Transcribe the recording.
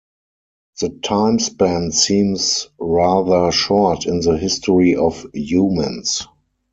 The time span seems rather short in the history of humans.